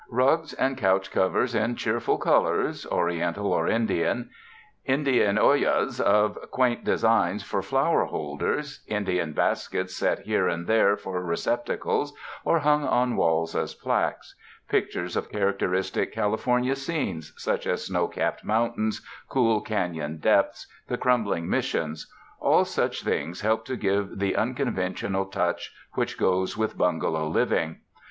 Kugs and couch covers in cheerful col ors, Oriental or Indian; Indian alias of quaint de signs for flower holders; Indian baskets set here and there for receptacles or hung on walls as plaques; pictures of characteristic California scenes, such as snow capped mountains, cool cai5on depths, the crumbling Missions— all such things help to give the unconventional touch which goes with bungalow living.